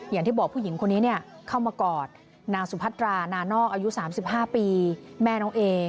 อย่างที่บอกผู้หญิงคนนี้เข้ามากอดนางสุพัตรานานอกอายุ๓๕ปีแม่น้องเอ